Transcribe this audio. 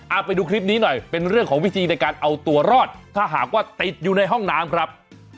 เอาไปดูคลิปนี้หน่อยเป็นเรื่องของวิธีในการเอาตัวรอดถ้าหากว่าติดอยู่ในห้องน้ำครับ